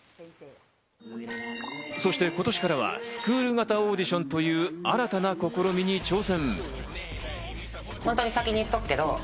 そして今年からはスクール型オーディションという新たな試みに挑戦。